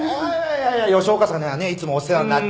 いやいや吉岡さんにはねいつもお世話になって。